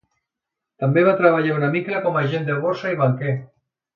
També va treballar una mica com a agent de borsa i banquer.